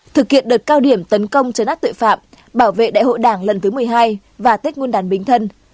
thực hiện đợt cao điểm tấn công chấn ác tội phạm bảo vệ đại hội đảng lần thứ một mươi hai và tết nguồn đàn bình thân